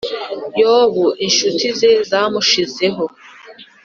yobu inshuti ze zamushizeho